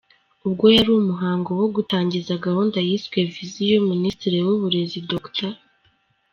Ubwo yari mu muhango wo gutangiza gahunda yiswe “Viziyo”, Minisitiri w’Uburezi, Dr.